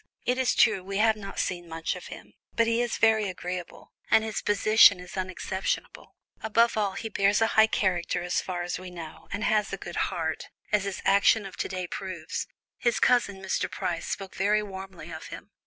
It is true, we have not seen much of him, but he is very agreeable, and his position is unexceptionable. Above all, he bears a high character as far as we know, and has a good heart, as his action of to day proves. His cousin, Mr. Price, spoke very warmly of him.